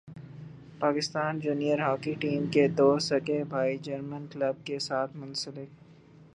Pakistan junior hockey team کے دو سگے بھائی جرمن کلب کے ساتھ منسلک